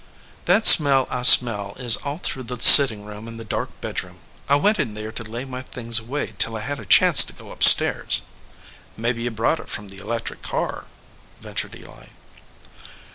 "That smell I smell is all through the sitting room and the dark bedroom. I went in there to lay my things away till I had a chance to go up stairs." "Mebbe you brought it from the electric car," ventured Eli.